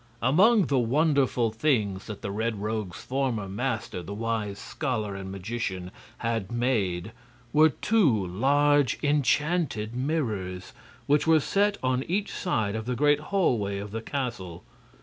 Among the wonderful things that the Red Rogue's former master, the wise scholar and magician, had made were two large enchanted mirrors, which were set on each side of the great hallway of the castle.